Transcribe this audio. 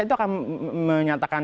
itu akan menyatakan